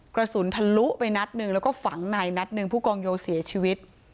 กระสุนทะลุไปนัดหนึ่งแล้วก็ฝังในนัดหนึ่งผู้กองโยเสียชีวิต